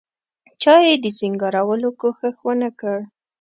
چا یې د سینګارولو کوښښ ونکړ.